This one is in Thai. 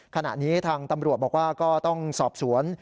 ขณะนี้ทางตำรวจบอกว่าก็ต้องสอบสวน